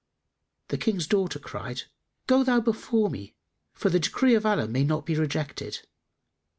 The King's daughter cried, "Go thou before me, for the decree of Allah may not be rejected."